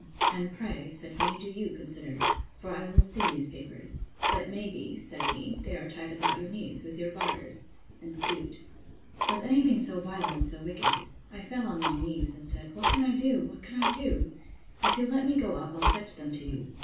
—And pray, said he, do you consider. For I will see these papers. But may be, said he, they are tied about your knees, with your garters, and stooped. Was ever any thing so vile and so wicked?—I fell on my knees, and said, What can I do? What can I do? If you'll let me go up I'll fetch them to you.